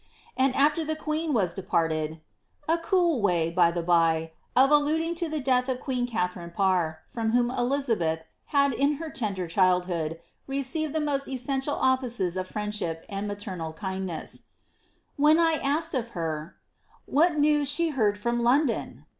And after the queen was departed — {Ji cool loay^ by ikt 6y<, of alluding to the death of queen Katharine Parr^ from whom Elizabeth had u her tender cfuidhood received the mott essential offices of friendship and maternal iamdness) — when I asked of her —» What news she heard from London?'